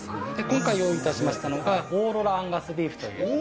今回、用意いたしましたのが、オーロラアンガスビーフという。